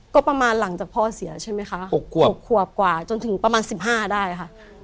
ก็ประมาณหลังจากพ่อเสียใช่ไหมคะ๖ขวบ๖ขวบกว่าจนถึงประมาณ๑๕ได้ค่ะ